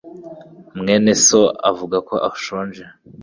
mwene so avuga ko ashonje